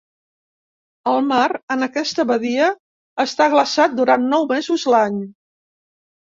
El mar en aquesta badia està glaçat durant nou mesos l'any.